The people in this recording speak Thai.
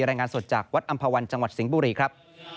รายงานสดจากวัดอำภาวันจังหวัดสิงห์บุรีครับ